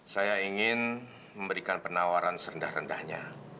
saya ingin memberikan penawaran serendah rendahnya